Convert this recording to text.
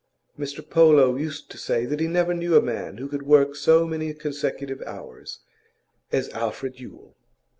Mr Polo used to say that he never knew a man who could work so many consecutive hours as Alfred Yule.